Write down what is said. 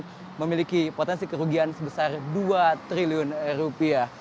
dan ini juga memiliki potensi kerugian sebesar dua triliun rupiah